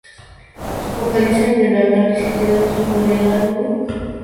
Se focaliza en el análisis de datos, modelado matemático y simulación computacional.